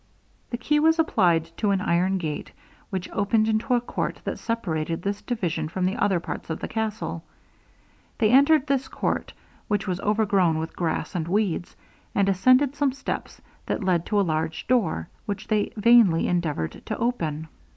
The key was applied to an iron gate, which opened into a court that separated this division from the other parts of the castle. They entered this court, which was overgrown with grass and weeds, and ascended some steps that led to a large door, which they vainly endeavoured to open.